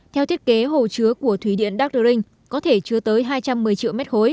theo thiết kế hồ chứa của thủy điện đắc đu rinh có thể chứa tới hai trăm một mươi triệu m ba